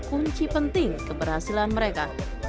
kunci penting keberhasilan mereka